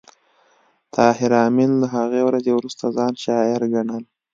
طاهر آمین له هغې ورځې وروسته ځان شاعر ګڼل